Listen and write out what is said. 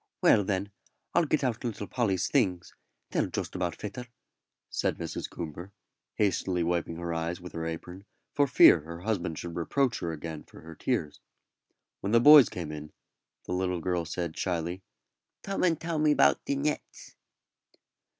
"Well, then, I'll get out little Polly's things; they'll just about fit her," said Mrs. Coomber, hastily wiping her eyes with her apron for fear her husband should reproach her again for her tears. When the boys came in, the little girl said, shyly, "Tome and tell me about the nets."